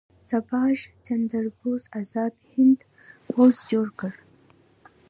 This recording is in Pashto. سبهاش چندر بوس ازاد هند پوځ جوړ کړ.